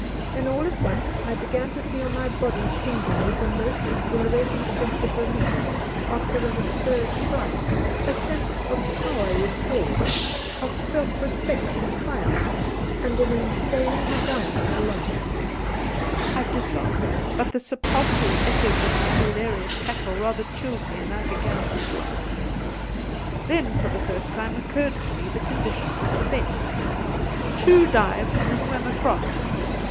Then all at once I began to feel my body tingling with a most exhilarating sense of relief after an absurd fright, a sense of power restored, of self respect and triumph and an insane desire to laugh. I did laugh, but the sepulchral echoes of my hilarious cackle rather chilled me, and I began to dress. Then for the first time occurred to me the con ditions of the bet :' Two dives and a swim across.'